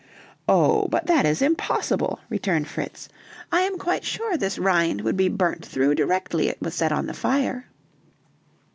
"Oh, but that is impossible," returned Fritz. "I am quite sure this rind would be burnt through directly it was set on the fire."